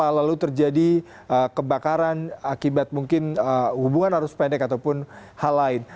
lalu terjadi kebakaran akibat mungkin hubungan arus pendek ataupun hal lain